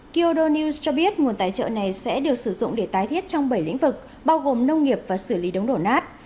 kyodo news cho biết nguồn tài trợ này sẽ được sử dụng để tái thiết trong bảy lĩnh vực bao gồm nông nghiệp và xử lý đống đổ nát